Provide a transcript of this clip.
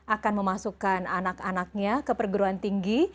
akan memasukkan anak anaknya ke perguruan tinggi